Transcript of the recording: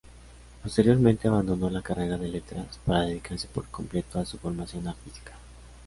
Posteriormente abandono la carrera de Letras, para dedicarse por completo a su formación artística.